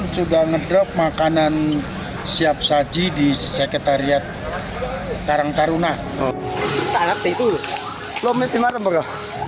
sudah ngedrop makanan siap saji di sekretariat karang taruna tarap itu loh mimpi mimpi bro